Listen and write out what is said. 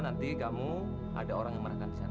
nanti kamu ada orang yang marahkan di sana